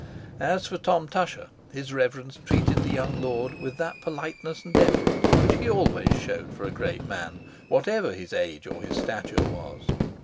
As for Tom Tusher, his Reverence treated the young lord with that politeness and deference which he always showed for a great man, whatever his age or his stature was.